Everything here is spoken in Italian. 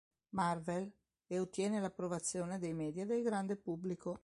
Marvel, e ottiene l'approvazione dei media e del grande pubblico.